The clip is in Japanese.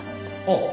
ああ。